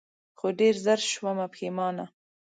خو ډېر زر شومه پښېمانه